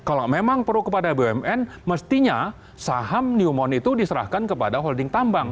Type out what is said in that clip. kalau memang pro kepada bumn mestinya saham newmont itu diserahkan kepada holding tambang